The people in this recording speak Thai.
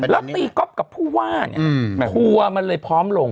แล้วตีก๊อฟกับผู้ว่าเนี่ยทัวร์มันเลยพร้อมลง